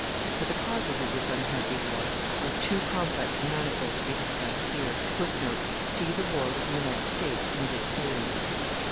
But the causes of this unhappy war are too complex and manifold to be discussed here. [Footnote: See The War with the United States in this Series.